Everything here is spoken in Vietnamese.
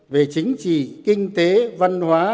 về chính trị kinh tế văn hóa